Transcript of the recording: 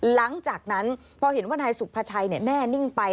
หลังจากนั้นพอเห็นว่านายสุภาชัยแน่นิ่งไป